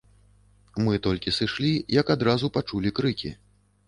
Мы толькі сышлі, як адразу пачулі крыкі.